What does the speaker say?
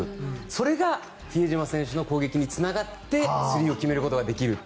それが比江島選手の攻撃につながってスリーを決めることができる。